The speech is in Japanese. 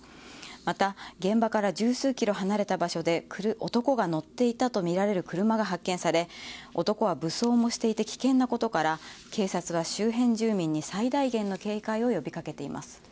また、現場から十数キロ離れた場所で男が乗っていたとみられる車が発見され男は武装もしていて危険なことから警察は周辺住民に最大限の警戒を呼びかけています。